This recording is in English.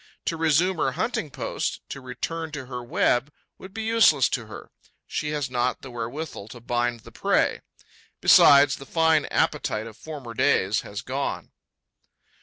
To resume her hunting post, to return to her web would be useless to her: she has not the wherewithal to bind the prey. Besides, the fine appetite of former days has gone.